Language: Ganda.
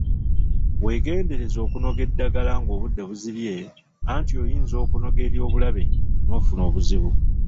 Weegendereze okunoga eddagala ng'obudde buzibye anti oyinza okunoga ery'obulabe n'ofuna obuzibu.